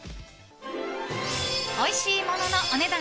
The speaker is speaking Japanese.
おいしいもののお値段